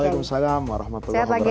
waalaikumsalam warahmatullahi wabarakatuh